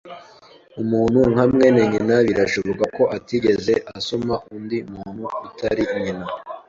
Umuntu nka mwene nyina birashoboka ko atigeze asoma undi muntu utari nyina.